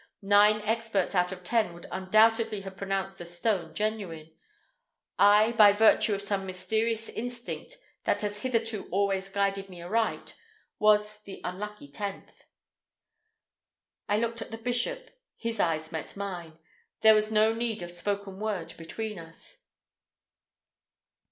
Nine experts out of ten would undoubtedly have pronounced the stone genuine. I, by virtue of some mysterious instinct that has hitherto always guided me aright, was the unlucky tenth. I looked at the bishop. His eyes met mine. There was no need of spoken word between us.